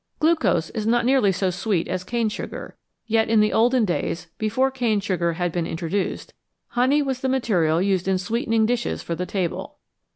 Glucose is not nearly so sweet as cane sugar, yet in the olden days, before cane sugar had been introduced, honey was the material used in sweetening dishes for the table.